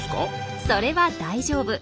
それは大丈夫。